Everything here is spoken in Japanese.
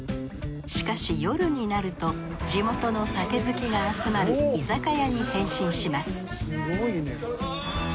しかし夜になると地元の酒好きが集まる居酒屋に変身します